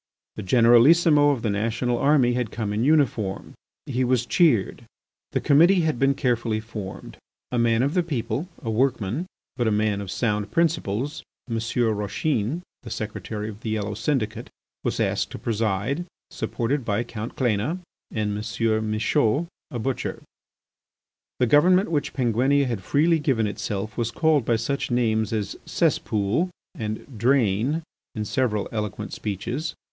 The Generalissimo of the national army had come in uniform. He was cheered. The committee had been carefully formed. A man of the people, a workman, but a man of sound principles, M. Rauchin, the secretary of the yellow syndicate, was asked to preside, supported by Count Cléna and M. Michaud, a butcher. The government which Penguinia had freely given itself was called by such names as cesspool and drain in several eloquent speeches.